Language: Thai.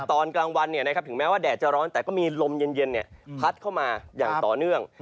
ตอนกลางวันถึงแม้ว่าแดดจะร้อนแต่ก็มีลมเย็นพัดเข้ามาอย่างต่อเนื่อง